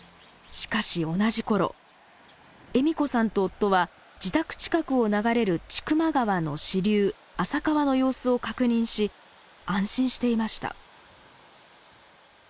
しかし同じ頃栄美子さんと夫は自宅近くを流れる千曲川の支流浅川の様子を確認し安心していました。